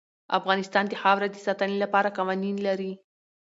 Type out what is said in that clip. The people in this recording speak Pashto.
افغانستان د خاوره د ساتنې لپاره قوانین لري.